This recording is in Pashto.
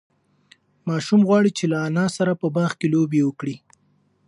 ماشوم غواړي چې له انا سره په باغ کې لوبه وکړي.